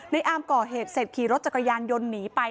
อามก่อเหตุเสร็จขี่รถจักรยานยนต์หนีไป